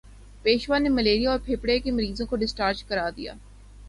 پیشوا نے ملیریا اور پھیپھڑے کے مریضوں کو ڈسچارج کرا دیا